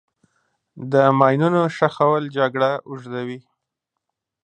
د ماینونو ښخول جګړه اوږدوي.